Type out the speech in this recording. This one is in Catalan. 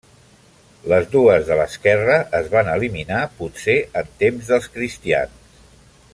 Les dues de l'esquerra es van eliminar, potser en temps dels cristians.